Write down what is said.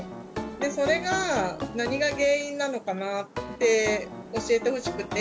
それが何が原因なのかなって教えてほしくて。